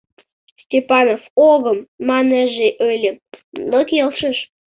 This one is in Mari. Степанов «огым» маннеже ыле, но келшыш.